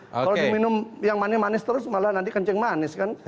kalau diminum yang manis manis terus malah nanti kencing manis kan